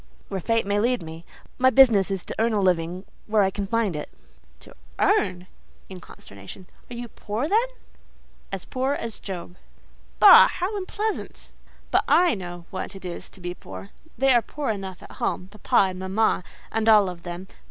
"Where Fate may lead me. My business is to earn a living where I can find it." "To earn!" (in consternation) "are you poor, then?" "As poor as Job." (After a pause)—"Bah! how unpleasant! But I know what it is to be poor: they are poor enough at home—papa and mamma, and all of them.